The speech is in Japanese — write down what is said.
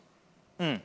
うん。